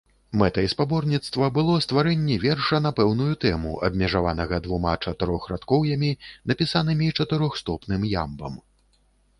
Мэтай спаборніцтва было стварэнне верша на пэўную тэму, абмежаванага двума чатырохрадкоўямі, напісанымі чатырохстопным ямбам.